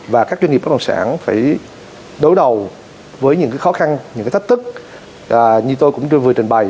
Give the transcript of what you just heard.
và các doanh nghiệp bất đồng sản phải đối đầu với những khó khăn những cái thách thức như tôi cũng chưa vừa trình bày